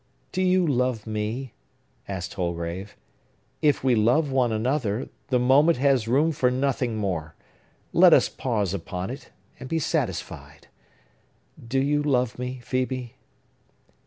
"Do you love me?" asked Holgrave. "If we love one another, the moment has room for nothing more. Let us pause upon it, and be satisfied. Do you love me, Phœbe?"